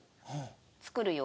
「作るよ」。